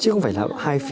hoàn cảnh gia đình